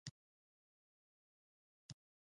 د هند مسالې زموږ په خوړو کې دي.